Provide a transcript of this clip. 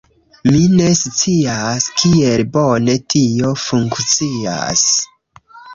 Mi ne scias kiel bone tio funkcias